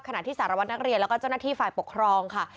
ขณะที่สารวัตรนักเรียนแล้วก็เจ้าหน้าที่ฝ่ายปกครองค่ะ